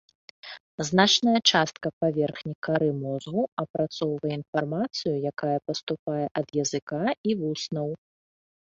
Значная частка паверхні кары мозгу апрацоўвае інфармацыю, якая паступае ад языка і вуснаў.